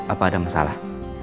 apa ada masalah